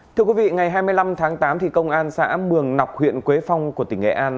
thưa quý vị ngày hai mươi năm tháng tám công an xã mường nọc huyện quế phong của tỉnh nghệ an